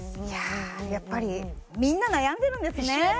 やっぱりみんな悩んでるんですね